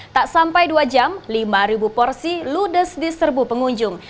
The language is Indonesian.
tak sampai dua jam lima porsi ludes di serbu pengunjung